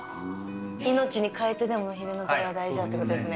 命に代えてでも、秘伝のたれは大事だったということですね。